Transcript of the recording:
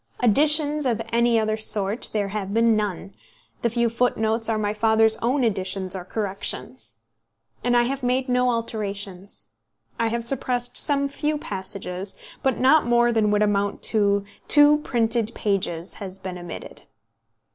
Additions of any other sort there have been none; the few footnotes are my father's own additions or corrections. And I have made no alterations. I have suppressed some few passages, but not more than would amount to two printed pages has been omitted.